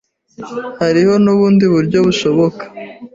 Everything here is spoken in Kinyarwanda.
Hariho nubundi buryo bushoboka.